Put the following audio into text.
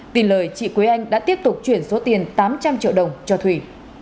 tin lời chị quế anh đã tiếp tục chuyển số tiền tám trăm linh triệu đồng cho thủy